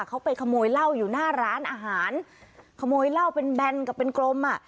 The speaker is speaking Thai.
เขาไปขโมยเหล้าอยู่หน้าร้านอาหารขโมยเหล้าเป็นแบนกับเป็นกลมอ่ะ